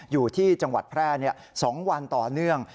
อยู่ที่จังหวัดแพร่๒วันต่อเนื่อง